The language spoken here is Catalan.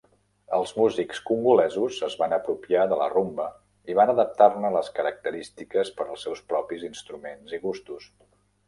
Els músics congolesos es van apropiar de la rumba i van adaptar-ne les característiques per als seus propis instruments i gustos.